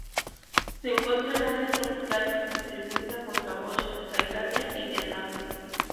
Se encuentra en Asia tropical distribuida por Camboya; Tailandia y Vietnam.